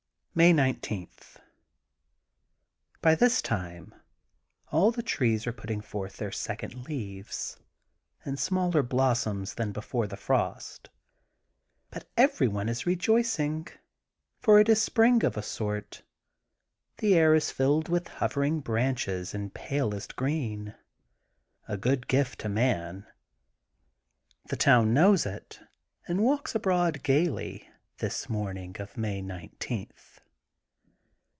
May 19 :— ^By this time all the trees are put ting forth their second leaves, and smaller blossoms than before the frost. But everyone is rejoicing for it is spring of a sort. The air IS filled with hovering branches in palest THE GOLDEN BOOK OF SPRINGFIELD 145 green, a good gift to man. The town knows it and walks abroad gaily, this morning of May nineteenth.